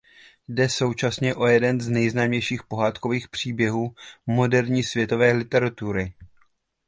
Jde současně o jeden z nejznámějších pohádkových příběhů moderní světové literatury.